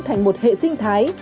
thành một hệ sinh thái